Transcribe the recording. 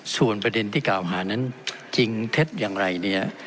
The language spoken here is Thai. ส่วนประเด็นที่กล่าวหานั้นจริงเท็จอย่างไรเนี่ย